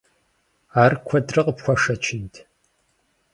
Ар куэдрэ къыпхуашэчынт?